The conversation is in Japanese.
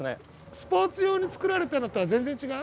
スポーツ用に作られたのとは全然違う？